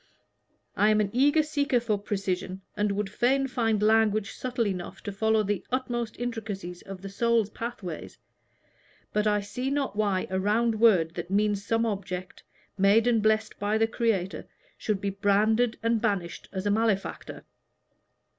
I am an eager seeker for precision, and would fain find language subtle enough to follow the utmost intricacies of the soul's pathways, but I see not why a round word that means some object, made and blessed by the Creator, should be branded and banished as a malefactor."